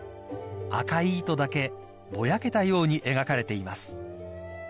［赤い糸だけぼやけたように描かれています］